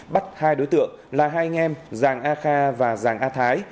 bắt hai đối tượng là hai anh em giàng a kha và giàng a thái